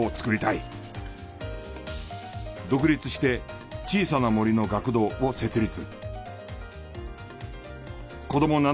独立して小さな森の学童を設立。